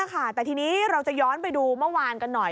แต่ทีนี้เราจะย้อนไปดูเมื่อวานกันหน่อย